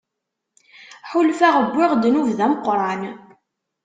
Ḥulfaɣ wwiɣ ddnub d ameqqran.